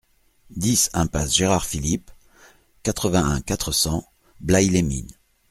dix impasse Gérard Philipe, quatre-vingt-un, quatre cents, Blaye-les-Mines